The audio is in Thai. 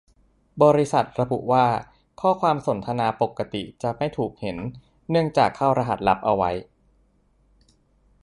บริษัทระบุว่า ข้อความสนทนาปกติจะไม่ถูกเห็น เนื่องจากเข้ารหัสลับเอาไว้